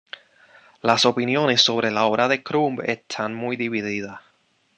Las opiniones sobre la obra de Crumb están muy divididas.